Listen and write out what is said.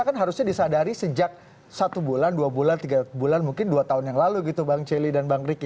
kan harusnya disadari sejak satu bulan dua bulan tiga bulan mungkin dua tahun yang lalu gitu bang celi dan bang riki